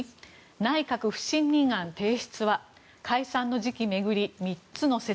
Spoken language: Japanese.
内閣不信任案提出は解散の時期巡り３つの説。